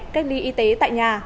cách ly y tế tại nhà